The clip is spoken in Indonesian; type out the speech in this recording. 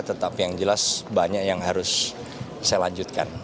tetapi yang jelas banyak yang harus saya lanjutkan